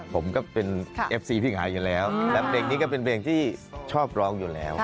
ผมก็เป็นเอฟซีพี่ขายอยู่แล้วและเพลงนี้ก็เป็นเพลงที่ชอบร้องอยู่แล้ว